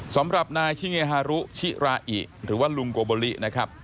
สำหรับนายชิเงฮารุชิราอิหรือว่าลุงโกโบลินะครับ